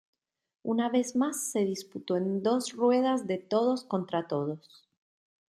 Una vez más se disputó en dos ruedas de todos contra todos.